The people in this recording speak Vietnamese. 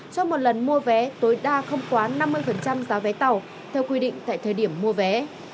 cho một lần mua vé tối đa không quá năm mươi giá vé tàu theo quy định tại thời điểm mua vé